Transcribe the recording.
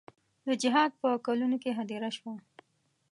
د جهاد په کلونو کې هدیره شوه.